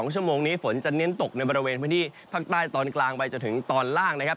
ชั่วโมงนี้ฝนจะเน้นตกในบริเวณพื้นที่ภาคใต้ตอนกลางไปจนถึงตอนล่างนะครับ